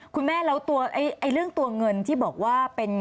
คุณแม่แล้วเรื่องตัวเงินที่บอกว่าเป็น